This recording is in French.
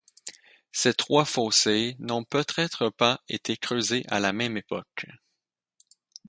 Ces trois fossés n'ont peut-être pas été creusé à la même époque.